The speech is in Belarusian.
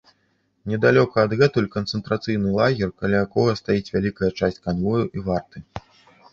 Недалёка адгэтуль канцэнтрацыйны лагер, каля якога стаіць вялікая часць канвою і варты.